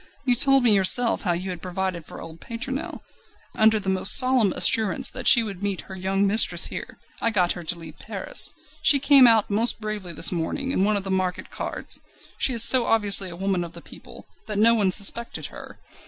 You told me yourself how you had provided for old Pétronelle. Under the most solemn assurance that she would meet her young mistress here, I got her to leave Paris. She came out most bravely this morning in one of the market carts. She is so obviously a woman of the people, that no one suspected her.